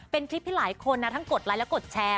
เป็นคลิปที่หลายคนทั้งกดไลค์และกดแชร์